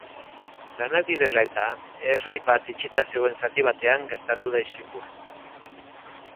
Lanak direla-eta, errei bat itxita zegoen zati batean gertatu da istripua.